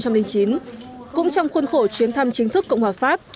cũng trong khuôn khổ chuyến thăm chính thức cộng hòa pháp